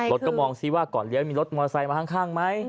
รถก็มองซิว่าก่อนเลี้ยวมีรถมอไซค์มาข้างไหม